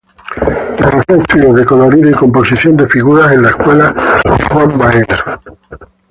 Realizó estudios de colorido y composición de figuras en la escuela de Juan Baena.